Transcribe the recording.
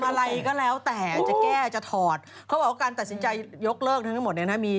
อะไรก็แล้วแต่จะแก้จะถอดเขาบอกว่าการตัดสินใจยกเลิกทั้งหมดเนี่ยนะมี